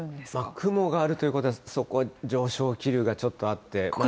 雲があるということは、そこに上昇気流がちょっとあって。